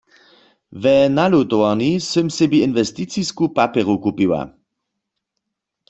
We nalutowarni sym sebi inwesticisku papjeru kupiła.